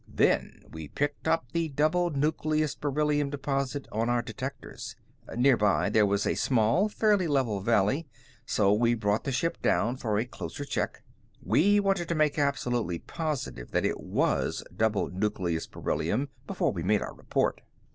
"Then we picked up the double nucleus beryllium deposit on our detectors. Nearby, there was a small, fairly level valley, so we brought the ship down for a closer check. We wanted to make absolutely positive that it was double nucleus beryllium before we made our report."